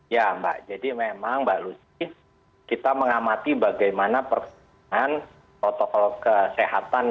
ya mbak jadi memang mbak lucy kita mengamati bagaimana perkembangan protokol kesehatan